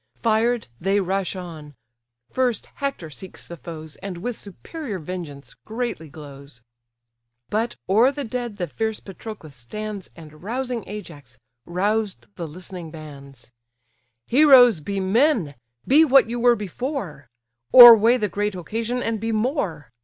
Fired, they rush on; first Hector seeks the foes, And with superior vengeance greatly glows. But o'er the dead the fierce Patroclus stands, And rousing Ajax, roused the listening bands: "Heroes, be men; be what you were before; Or weigh the great occasion, and be more.